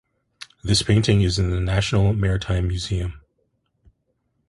This painting is in the National Maritime Museum.